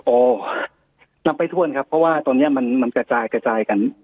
นำไปถ้วนครับเพราะว่าตอนนี้มันกระจายกระจายกัน